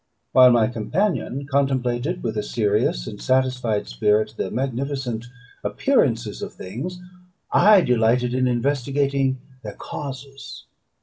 While my companion contemplated with a serious and satisfied spirit the magnificent appearances of things, I delighted in investigating their causes.